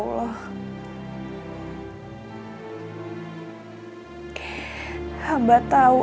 abah tau engkau maha tau